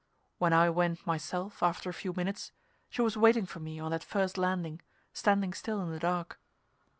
When I went, myself, after a few minutes, she was waiting for me on that first landing, standing still in the dark.